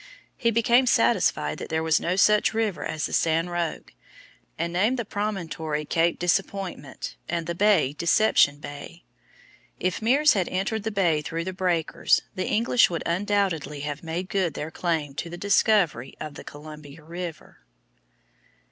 He became satisfied that there was no such river as the San Roque, and named the promontory Cape Disappointment and the bay Deception Bay. If Meares had entered the bay through the breakers, the English would undoubtedly have made good their claim to the discovery of the Columbia River.